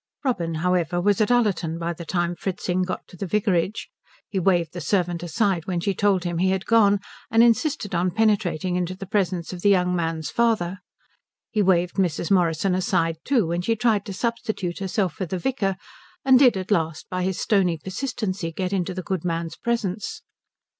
Robin, however, was at Ullerton by the time Fritzing got to the vicarage. He waved the servant aside when she told him he had gone, and insisted on penetrating into the presence of the young man's father. He waved Mrs. Morrison aside too when she tried to substitute herself for the vicar, and did at last by his stony persistency get into the good man's presence.